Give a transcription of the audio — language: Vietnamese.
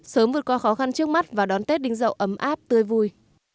sớm vượt qua khó khăn trước mắt và đón tết đinh dậu ấm áp tươi vui